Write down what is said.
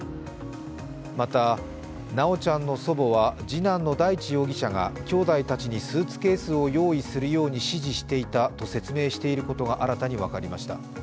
また、修ちゃんの祖母は次男の大地容疑者がきょうだいたちにスーツケースを用意するように指示していたと説明していることが新たに分かりました。